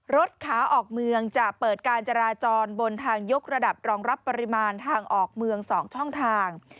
รถขาออกเมืองจะเปิดการจราจรบนทางยกระดับรองรับปริมาณทางออกเมือง๒ช่องทาง